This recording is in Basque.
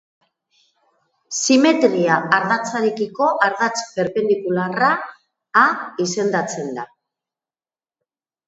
Simetria-ardatzarekiko ardatz perpendikularra a izendatzen da.